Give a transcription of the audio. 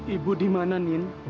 ibu di mana nin